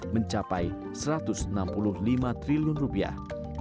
mencapai satu ratus enam puluh lima triliun rupiah